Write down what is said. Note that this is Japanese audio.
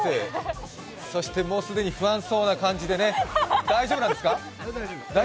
そしてもう既に不安そうな感じで、大丈夫なんですか？